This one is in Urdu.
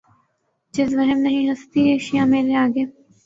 جز وہم نہیں ہستیٔ اشیا مرے آگے